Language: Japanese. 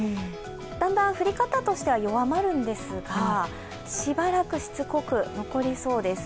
だんだん降り方としては弱まるんですがしばらくしつこく残りそうです。